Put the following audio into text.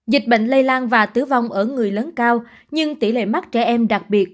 dịch bệnh lây lan và tử vong ở người lớn cao nhưng tỷ lệ mắc trẻ em đặc biệt